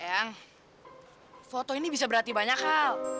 yang foto ini bisa berarti banyak hal